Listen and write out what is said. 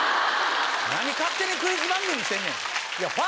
何勝手にクイズ番組してんねん！